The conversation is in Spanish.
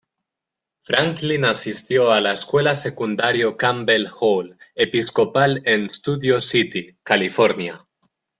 Franklin asistió a la escuela secundaria Campbell Hall Episcopal en Studio City, California.